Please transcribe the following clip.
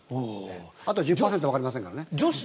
あと１０％はわかりませんから。